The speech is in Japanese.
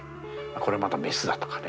これまたメスだとかね